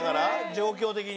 状況的に。